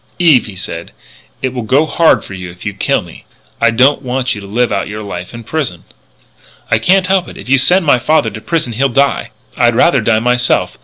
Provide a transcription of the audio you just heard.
"Eve," he said, "it will go hard with you if you kill me. I don't want you to live out your life in prison." "I can't help it. If you send my father to prison he'll die. I'd rather die myself.